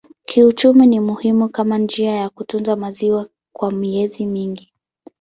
Kiuchumi ni muhimu kama njia ya kutunza maziwa kwa miezi mingi.